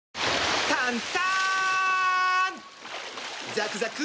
ザクザク！